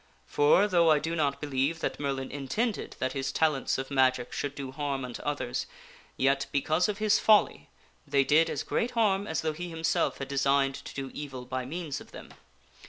For, though I do not believe that Merlin intended that his talents of magic should do harm unto others, yet, because of his folly, they did as great harm as though he himself had designed to do evil by means of them.